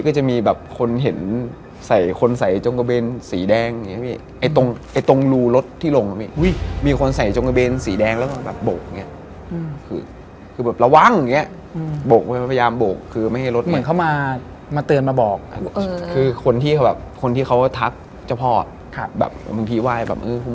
ก็มีผู้คนมาให้คุณแม่ดู